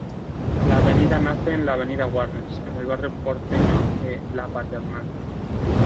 La avenida nace en la Avenida Warnes, en el barrio porteño de La Paternal.